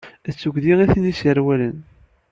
D tuggdi i ten-yesrewlen.